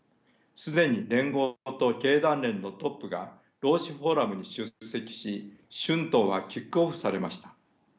既に連合と経団連のトップが労使フォーラムに出席し春闘はキックオフされました。